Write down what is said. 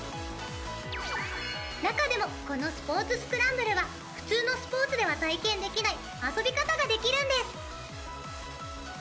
中でもこの『ＳｐｏｒｔｓＳｃｒａｍｂｌｅ』は普通のスポーツでは体験できない遊び方ができるんです。